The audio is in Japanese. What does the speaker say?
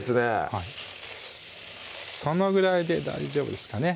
はいそのぐらいで大丈夫ですかね